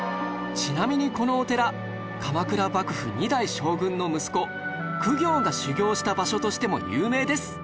ちなみにこのお寺鎌倉幕府２代将軍の息子公暁が修行した場所としても有名です